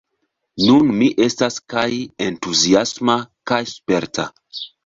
Nun mi estas kaj entuziasma kaj sperta.